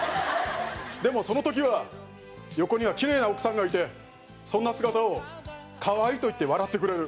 でもその時は横にはキレイな奥さんがいてそんな姿を「可愛い」と言って笑ってくれる。